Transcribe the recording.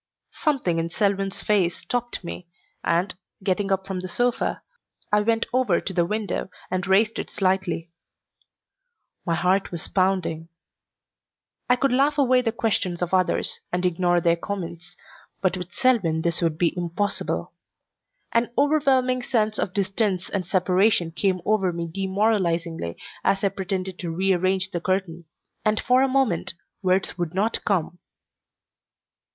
Something in Selwyn's face stopped me, and, getting up from the sofa, I went over to the window and raised it slightly. My heart was pounding. I could laugh away the questions of others and ignore their comments, but with Selwyn this would be impossible. An overwhelming sense of distance and separation came over me demoralizingly as I pretended to rearrange the curtain, and for a moment words would not come.